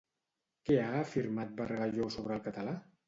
Què ha afirmat Bargalló sobre el català?